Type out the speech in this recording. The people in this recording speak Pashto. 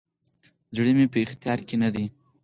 زړه مي په اختیار کي نه دی،